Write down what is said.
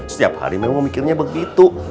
setiap hari memang memikirnya begitu